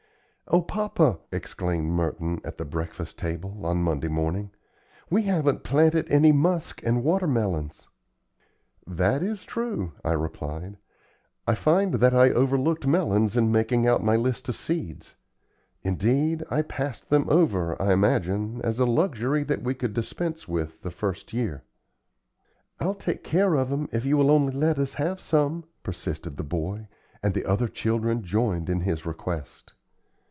"O papa!" exclaimed Merton, at the breakfast table, on Monday morning; "we haven't planted any musk and water melons!" "That is true," I replied. "I find that I overlooked melons in making out my list of seeds. Indeed, I passed them over, I imagine, as a luxury that we could dispense with the first year." "I'll take care of 'em if you will only let us have some," persisted the boy; and the other children joined in his request.